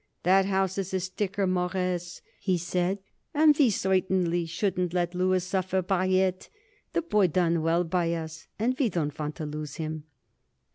"That house is a sticker, Mawruss," he said, "and we certainly shouldn't let Louis suffer by it. The boy done well by us, and we don't want to lose him."